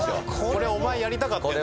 これお前やりたかったやつ。